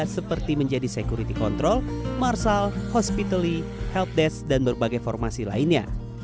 seperti menjadi security control marshal hospitally helpdesk dan berbagai formasi lainnya